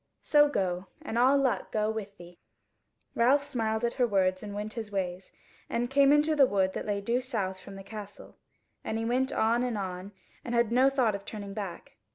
So go, and all luck go with thee." Ralph smiled at her words and went his ways, and came into the wood that lay due south from the Castle, and he went on and on and had no thought of turning back.